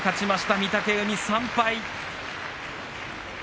御嶽海３敗。